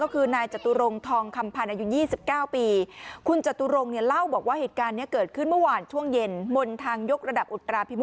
ก็คือนายจตุรงทองคำภานรรยุ๒๙ปี